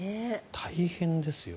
大変ですよ。